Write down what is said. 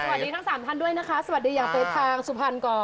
สวัสดีทั้ง๓ท่านด้วยนะคะสวัสดีอย่างเป็นทางสุภัณฑ์กร